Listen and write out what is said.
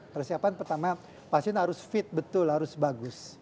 persiapan pertama pasien harus fit betul harus bagus